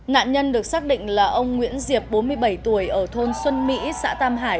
nạn nhân được xác định là ông nguyễn diệp bốn mươi bảy tuổi ở thôn xuân mỹ xã tam hải